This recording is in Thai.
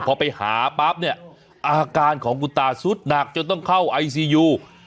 พอไปหาปั๊บเนี่ยอาการของคุณตาสุดหนักจนต้องเข้าไอซียู